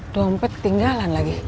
dompet ketinggalan lagi